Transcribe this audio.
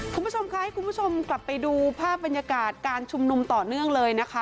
คุณผู้ชมคะให้คุณผู้ชมกลับไปดูภาพบรรยากาศการชุมนุมต่อเนื่องเลยนะคะ